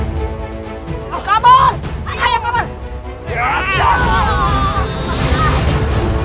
jangan lagi membuat onar di sini